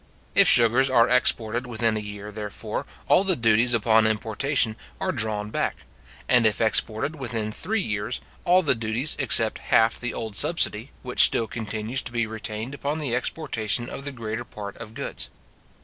If sugars are exported within a year, therefore, all the duties upon importation are drawn back; and if exported within three years, all the duties, except half the old subsidy, which still continues to be retained upon the exportation of the greater part of goods.